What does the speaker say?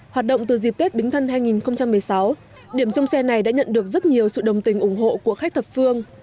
hoạt động từ dịp tết bính thân hai nghìn một mươi sáu điểm trong xe này đã nhận được rất nhiều sự đồng tình ủng hộ của khách thập phương